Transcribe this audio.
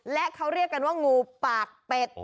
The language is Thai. และเขาเรียกกันว่างูปากเป็ด